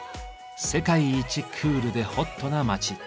世界一クールでホットな街。